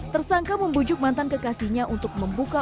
tersangka membujuk mantan kekasihnya untuk membuka